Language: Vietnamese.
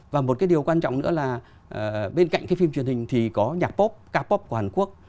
và một cái điều quan trọng nữa là bên cạnh cái phim truyền hình thì có nhạc pop capop của hàn quốc